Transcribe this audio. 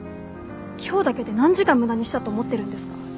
今日だけで何時間無駄にしたと思ってるんですか？